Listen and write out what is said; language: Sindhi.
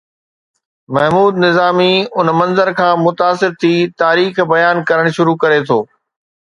محمود نظامي ان منظر کان متاثر ٿي تاريخ بيان ڪرڻ شروع ڪري ٿو